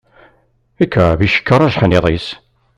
Ikεeb icekkeṛ ajeḥniḍ-is.